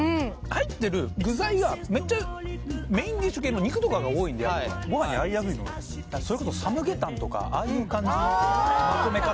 入ってる具材がめっちゃメインディッシュ系の肉とかが多いんでご飯合いやすいそれこそああいう感じのああっ！